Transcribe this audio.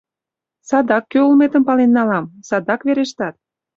Садак кӧ улметым пален налам, садак верештат.